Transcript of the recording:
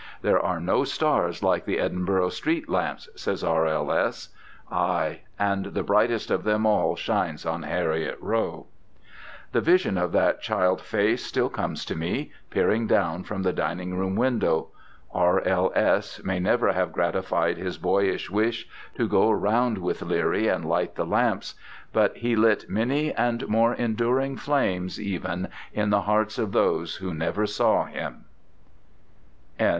"There are no stars like the Edinburgh street lamps," says R.L.S. Aye, and the brightest of them all shines on Heriot Row. The vision of that child face still comes to me, peering down from the dining room window. R.L.S. may never have gratified his boyish wish to go round with Leerie and light the lamps, but he lit many and more enduring flames even in the hearts of those who never saw him.